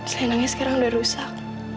selendangnya sekarang udah rusak